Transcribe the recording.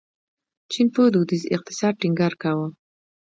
چین په دودیز اقتصاد ټینګار کاوه.